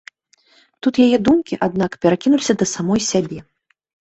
Тут яе думкі, аднак, перакінуліся да самой сябе.